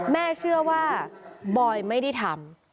เชื่อว่าบอยไม่ได้ทำ